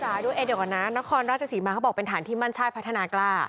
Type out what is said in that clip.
ตามที่บาลทรายนำนะครับนครราชสีมาเป็นแถมที่มั่นชายพัฒนากล้า